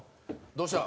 どうした？